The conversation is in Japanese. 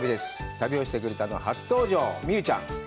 旅をしてくれたのは、初登場、Ｍｉｙｕｕちゃん。